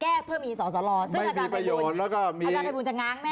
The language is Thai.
แก้เพื่อมีสอสรอซึ่งอาจารย์ภายบุญอาจารย์ภายบุญจะง้างแน่